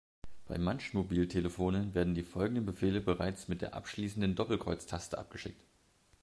Bei manchen Mobiltelefonen werden die folgenden Befehle bereits mit der abschließenden Doppelkreuz-Taste abgeschickt.